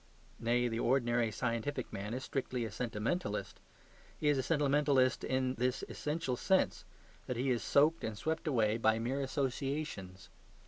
Nay, the ordinary scientific man is strictly a sentimentalist. He is a sentimentalist in this essential sense, that he is soaked and swept away by mere associations.